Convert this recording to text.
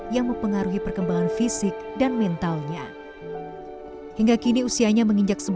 yang mempengaruhi perkembangan fisik dan mentalnya hingga kini usianya menginjak